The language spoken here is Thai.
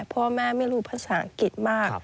พ่อแม่ไม่รู้ภาษาอังกฤษมาก